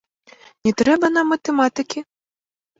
Не трэба нам матэматыкі?